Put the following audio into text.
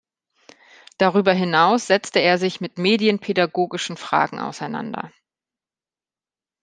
Darüber hinaus setzte er sich mit medienpädagogischen Fragen auseinander.